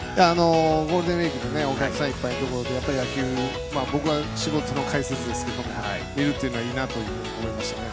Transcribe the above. ゴールデンウイークでお客さんいっぱいいるところで野球、僕は解説の仕事ですけど見るっていうのはいいなって思いましたね。